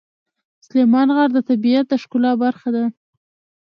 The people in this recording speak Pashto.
سلیمان غر د طبیعت د ښکلا برخه ده.